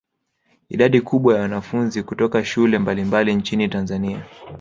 Idadi kubwa ya wanafunzi kutoka shule mbalimbali nchini Tanzania